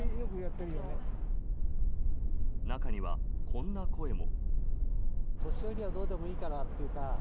中には、こんな声も。